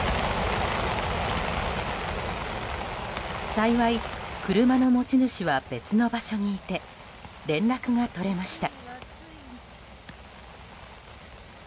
幸い、車の持ち主は別の場所にいて連絡が取れました。